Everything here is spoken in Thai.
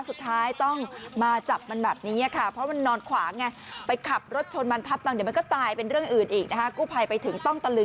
สุดท้ายต้องมาจับมันแบบนี้ค่ะเพราะมันนอนขวางไปขับรถชนมันทับบ้าง